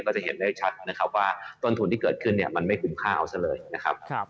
จะเห็นได้ชัดนะครับว่าต้นทุนที่เกิดขึ้นเนี่ยมันไม่คุ้มค่าเอาซะเลยนะครับ